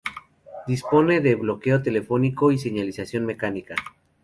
Dispone de Bloqueo telefónico y señalización mecánica.